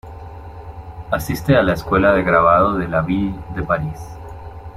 Asiste a la Escuela de Grabado de La Ville de Paris.